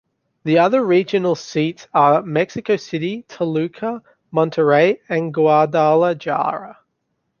The other regional seats are Mexico City, Toluca, Monterrey and Guadalajara.